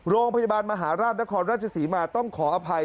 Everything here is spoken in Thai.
โรงพยาบาลมหาราชนครราชศรีมาต้องขออภัย